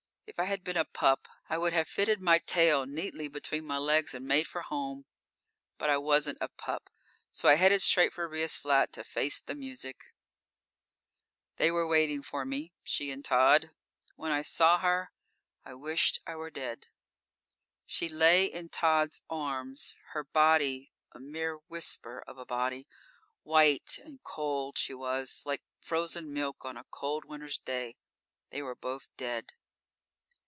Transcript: If I had been a pup, I would have fitted my tail neatly between my legs and made for home. But I wasn't a pup, so I headed straight for Ria's flat to face the music. They were waiting for me, she and Tod. When I saw her, I wished I were dead. She lay in Tod's arms, her body a mere whisper of a body. White and cold she was, like frozen milk on a cold winter's day. They were both dead.